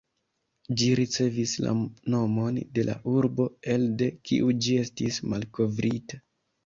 Ĝi ricevis la nomon de la urbo, elde kiu ĝi estis malkovrita.